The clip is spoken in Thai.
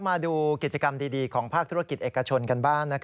มาดูกิจกรรมดีของภาคธุรกิจเอกชนกันบ้าง